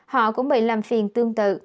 họ cũng bị làm phiền tương tự